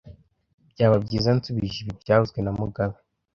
Byaba byiza nsubije ibi byavuzwe na mugabe